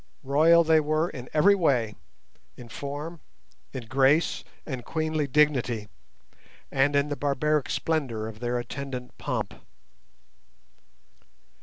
Royal they were in every way—in form, in grace, and queenly dignity, and in the barbaric splendour of their attendant pomp.